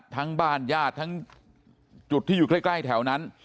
ทั้งบ้านญาติทั้งจุดที่อยู่ใกล้แถวนั้น